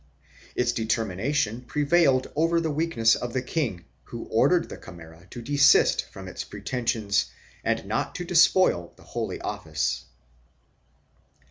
Its determination prevailed over the weakness of the king who ordered the Camara to desist from its pretensions and not to despoil the Holy Office.